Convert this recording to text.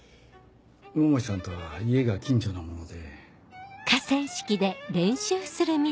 桃井さんとは家が近所なもので。